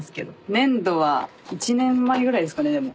粘土は１年前ぐらいですかねでも。